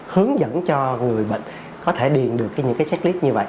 hướng dẫn cho người bệnh có thể điền được những checklist như vậy